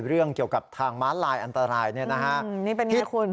เรื่องเกี่ยวกับทางม้าลายอันตรายเนี่ยนะฮะนี่เป็นไงคุณ